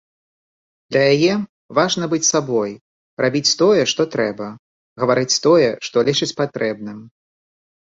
Для яе важна быць сабой, рабіць тое, што трэба, гаварыць тое, што лічыць патрэбным.